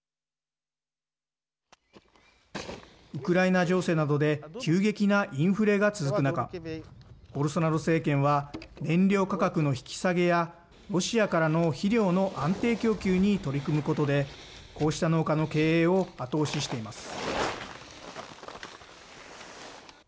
ウクライナ情勢などで急激なインフレが続く中ボルソナロ政権は燃料価格の引き下げやロシアからの肥料の安定供給に取り組むことでこうした農家の経営を後押ししています。